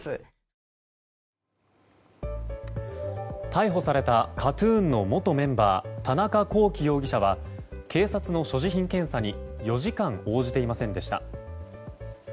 逮捕されたＫＡＴ‐ＴＵＮの元メンバー田中聖容疑者は警察の所持品検査に４時間、応じていませんでした。